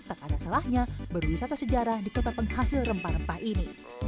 tak ada salahnya berwisata sejarah di kota penghasil rempah rempah ini